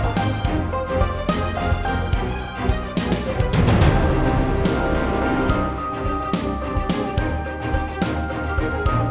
aku ingin berbual sama andi